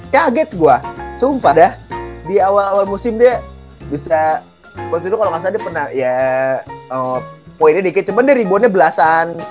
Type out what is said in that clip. kaget gua sumpah dah di awal awal musim dia bisa waktu dulu kalo ga salah dia poinnya dikit cuman dia rebownnya belasan